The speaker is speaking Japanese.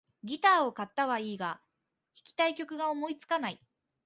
ギターを買ったはいいが、弾きたい曲が思いつかない